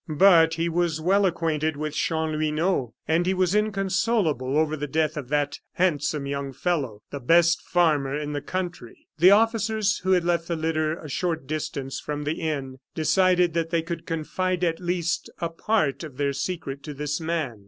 But he was well acquainted with Chanlouineau, and he was inconsolable over the death of that "handsome young fellow, the best farmer in the country." The officers, who had left the litter a short distance from the inn, decided that they could confide at least a part of their secret to this man.